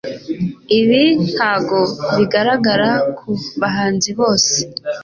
ibi ntabwo bigaragara ku bahanzi bose